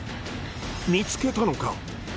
見つけたのか？